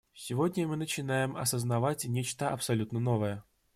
Сегодня мы начинаем осознавать нечто абсолютно новое.